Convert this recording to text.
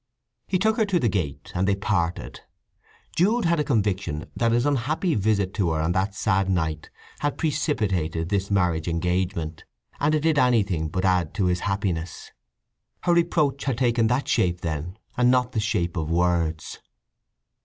He took her to the gate and they parted. Jude had a conviction that his unhappy visit to her on that sad night had precipitated this marriage engagement, and it did anything but add to his happiness. Her reproach had taken that shape, then, and not the shape of words.